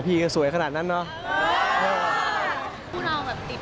พี่ก็สวยขนาดนั้นเนอะ